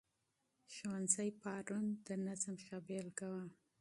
ښوونځي پرون د نظم ښه بېلګه وه.